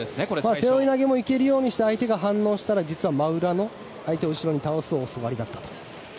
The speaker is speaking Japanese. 背負い投げも行けるようにして相手が反応したら実は真裏の相手を後ろに倒す大外刈りだったと。